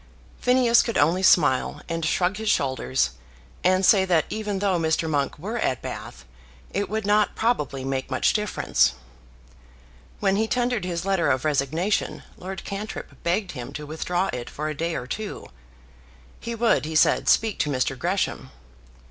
Phineas could only smile, and shrug his shoulders, and say that even though Mr. Monk were at Bath it would not probably make much difference. When he tendered his letter of resignation, Lord Cantrip begged him to withdraw it for a day or two. He would, he said, speak to Mr. Gresham.